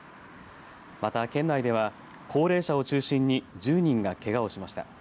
また、県内では高齢者を中心に１０人がけがをしました。